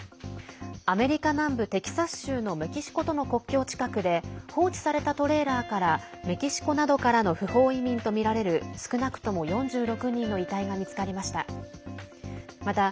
アメリカ南部テキサス州のメキシコとの国境近くで放置されたトレーラーからメキシコなどからの不法移民とみられる少なくとも４６人の遺体が見つかりました。